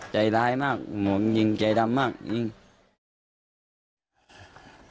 ใจร้ายมากผมหวังจริงจริงใจดำมากจริงจริง